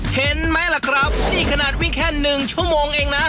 เห็นไหมล่ะครับนี่ขนาดวิ่งแค่๑ชั่วโมงเองนะ